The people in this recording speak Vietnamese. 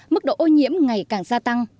mức độ ô nhiễm ngày càng gia tăng